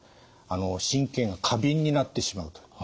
神経が過敏になってしまうと。